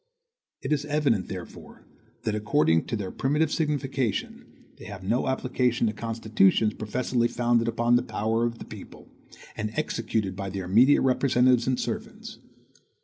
It is evident, therefore, that, according to their primitive signification, they have no application to constitutions professedly founded upon the power of the people, and executed by their immediate representatives and servants.